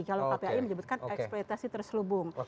kalau kpai menyebutkan eksploitasi terselubung